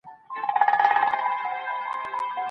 که انلاین کورسونه وي، د کار موندنې فرصتونه زیاتېږي.